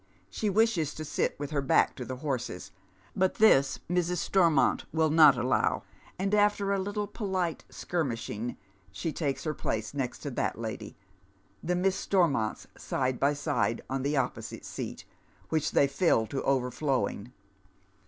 She wishes to sit with her back to the horses, but this Mrs. Stonnont %vill not allow, and after a Uttle polite skirmishing she takes her place next that lady, the Miss Stormonts side by side on the opposite seat, which they fill to ovei flowing.